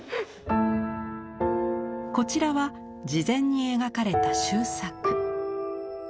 こちらは事前に描かれた習作。